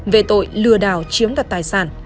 về tội lừa đảo chiếm đặt tài sản